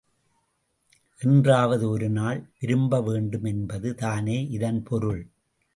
என்றாவது ஒரு நாள் விரும்ப வேண்டும் என்பது தானே இதன் பொருள்.